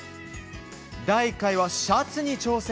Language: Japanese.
第１回は、シャツに挑戦。